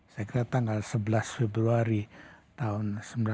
saya kira tanggal sebelas februari tahun seribu sembilan ratus sembilan puluh